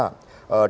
untuk melihat mana